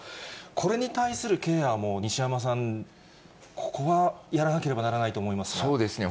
これに対するケアも、西山さん、ここはやらなければならないと思そうですね、